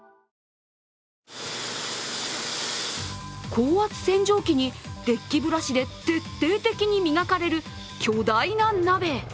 高圧洗浄機にデッキブラシで徹底的に磨かれる巨大な鍋。